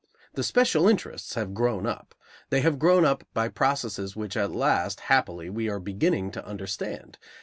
The special interests have grown up. They have grown up by processes which at last, happily, we are beginning to understand.